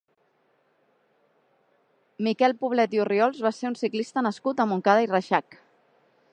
Miquel Poblet i Orriols va ser un ciclista nascut a Montcada i Reixac.